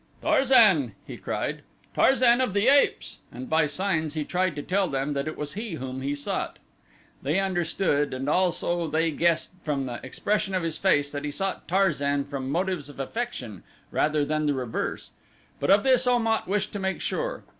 "Tarzan!" he cried, "Tarzan of the Apes!" and by signs he tried to tell them that it was he whom he sought. They understood, and also they guessed from the expression of his face that he sought Tarzan from motives of affection rather than the reverse, but of this Om at wished to make sure.